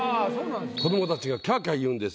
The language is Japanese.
子ども達がキャアキャア言うんです